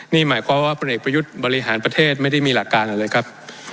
นี่หมายความว่าพลเอกประยุทธ์บริหารประเทศไม่ได้มีหลักการอะไรครับ